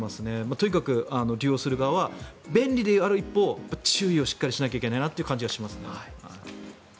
とにかく利用する側は便利である一方注意をしっかりしなきゃいけないなという感じがしますね。